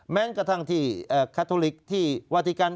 แม้กระทั่งที่คาทุลิกที่วาติกัน